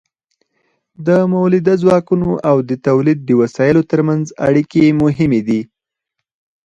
د مؤلده ځواکونو او د تولید د وسایلو ترمنځ اړیکې مهمې دي.